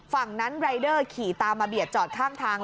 ฝั่งนั้นรายเดอร์ขี่ตามมาเบียดจอดข้างทาง